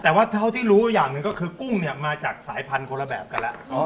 แต่ว่าเท่าที่รู้อย่างหนึ่งก็คือกุ้งเนี่ยมาจากสายพันธุ์คนละแบบกันแล้ว